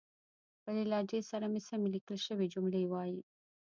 خپلې لهجې سره سمې ليکل شوې جملې وايئ